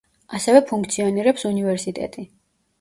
ასევე ფუნქციონირებს უნივერსიტეტი.